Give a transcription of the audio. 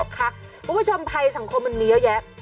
คุณผู้ชมภัยสังคมมันมีเยอะแยะ